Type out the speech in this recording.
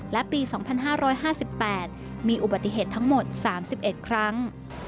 และปี๒๕๕๘มีอุบัติเหตุทั้งหมด๓๑ครั้ง